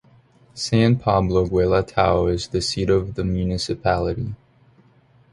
San Pablo Guelatao is the seat of the municipality.